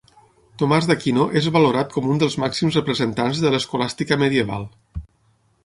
Tomàs d'Aquino és valorat com un dels màxims representants de l'escolàstica medieval.